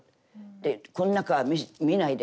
でこの中は見ないで。